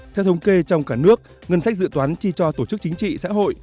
theo thống kê trong cả nước ngân sách dự toán chi cho tổ chức chính trị xã hội